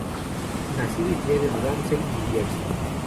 Nacido y criado en Ramsey, New Jersey.